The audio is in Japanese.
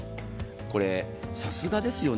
これ、さすがですよね。